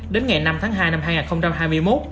đến ngày năm tháng hai năm hai nghìn hai mươi một